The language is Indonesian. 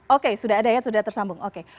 oke sudah ada ya sudah tersambung oke